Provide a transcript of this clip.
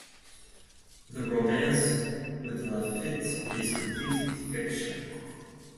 The romance with Lafitte is complete fiction.